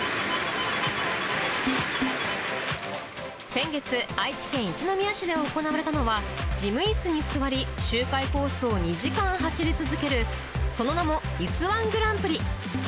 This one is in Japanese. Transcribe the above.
先月、愛知県一宮市で行われたのは、事務いすに座り、周回コースを２時間走り続ける、その名も、いすー１グランプリ。